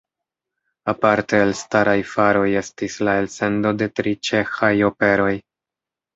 Aparte elstaraj faroj estis la elsendo de tri ĉeĥaj operoj.